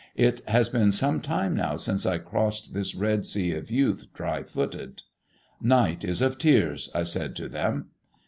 It has been some time now since I crossed this red sea of youth dry footed. "Night is of tears," I said to them.